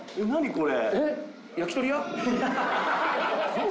これ。